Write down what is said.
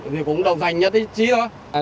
thì cũng đồng hành nhất ít chí thôi